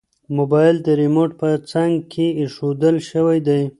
موبایل د ریموټ په څنګ کې ایښودل شوی دی.